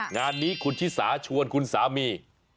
งานนี้คุณชิสาชวนคุณสามี